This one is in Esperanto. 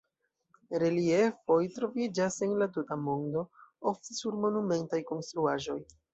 Reliefoj troviĝas en la tuta mondo, ofte sur monumentaj konstruaĵoj.